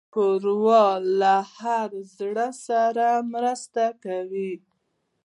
ښوروا له هر زړه سره مرسته کوي.